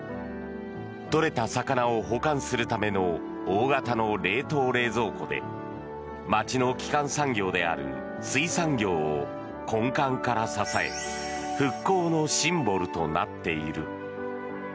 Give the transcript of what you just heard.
取れた魚を保管するための大型の冷凍冷蔵庫で町の基幹産業である水産業を根幹から支え復興のシンボルとなっている。